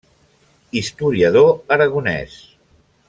Historiador aragonès.